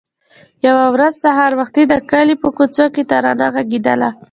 يوه ورځ سهار وختي د کلي په کوڅو کې ترانه غږېدله.